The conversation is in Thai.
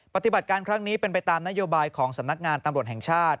ปฏิบัติการครั้งนี้เป็นไปตามนโยบายของสำนักงานตำรวจแห่งชาติ